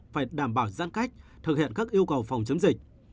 phải đảm bảo giãn cách thực hiện các yêu cầu phòng chống dịch